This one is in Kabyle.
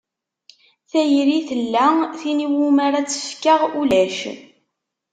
Tayri tella, tin iwumi ara tt-fkeɣ ulac.